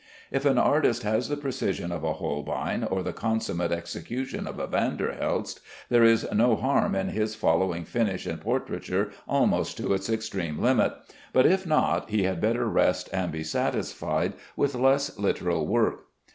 If an artist has the precision of a Holbein or the consummate execution of a Van der Helst, there is no harm in his following finish in portraiture almost to its extreme limit; but if not, he had better rest and be satisfied with less literal work.